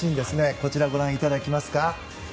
こちら、ご覧いただけますか。